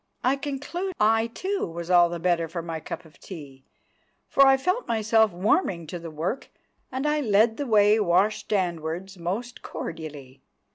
I conclude I, too, was all the better for my cup of tea, for I felt myself warming to the work—and I led the way washstandwards most cordially.